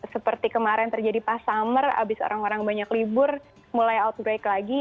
seperti kemarin terjadi pas summer abis orang orang banyak libur mulai outbreak lagi